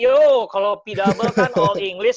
yo kalau p double kan all english